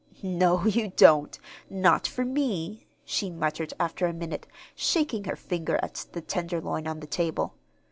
"No, you don't not for me!" she muttered, after a minute, shaking her finger at the tenderloin on the table.